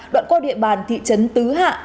đoạn qua địa bàn thị trấn tứ hạ